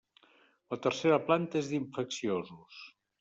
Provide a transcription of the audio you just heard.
La tercera planta és d'infecciosos.